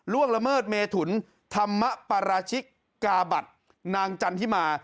ละเมิดเมถุนธรรมปราชิกกาบัตรนางจันทิมา